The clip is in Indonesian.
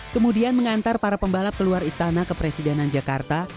kemudian mengantar para pembalap keluar istana ke presidenan jakarta